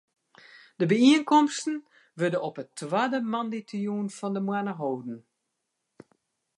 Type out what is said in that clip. De byienkomsten wurde op de twadde moandeitejûn fan de moanne holden.